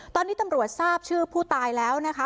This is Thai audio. ตอนนี้ตำรวจทราบชื่อผู้ตายแล้วนะคะ